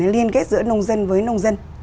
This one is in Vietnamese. liên kết giữa nông dân với nông dân